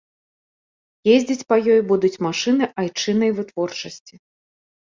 Ездзіць па ёй будуць машыны айчыннай вытворчасці.